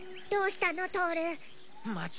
どうしたの？